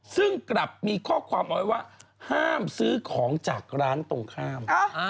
ซึ่งกลับมีข้อความเอาไว้ว่าห้ามซื้อของจากร้านตรงข้าม